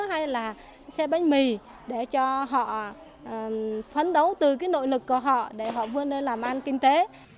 hay là xe bánh mì để cho họ phấn đấu từ cái nội lực của họ để họ vươn lên làm ăn kinh tế